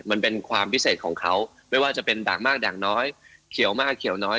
มันเป็นความพิเศษของเขาไม่ว่าจะเป็นด่างมากด่างน้อยเขียวมากเขียวน้อย